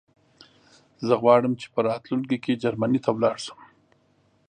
زه غواړم چې په راتلونکي کې جرمنی ته لاړ شم